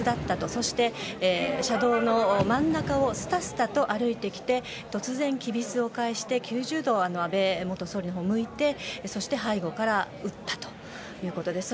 そして、車道の真ん中をすたすたと歩いてきて突然きびすを返して、９０度安倍元総理のほうを向いて背後から撃ったということです。